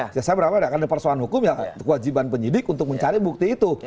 saya berharap karena persoalan hukum ya kewajiban penyidik untuk mencari bukti itu